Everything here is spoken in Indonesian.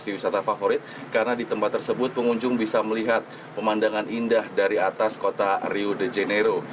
di wisata favorit karena di tempat tersebut pengunjung bisa melihat pemandangan indah dari atas kota rio de janeiro